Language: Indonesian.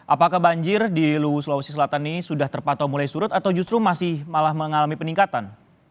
apakah banjir di luwu sulawesi selatan ini sudah terpantau mulai surut atau justru masih malah mengalami peningkatan